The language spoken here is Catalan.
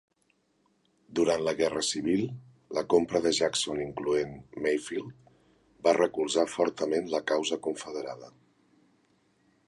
Durant la Guerra Civil, la compra de Jackson incloent Mayfield va recolzar fortament la causa confederada.